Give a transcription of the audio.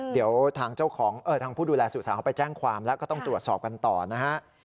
เดี๋ยวทางเจ้าของทางผู้ดูแลสุสาวเขาไปแจ้งความแล้วก็ต้องตรวจสอบกันต่อนะฮะ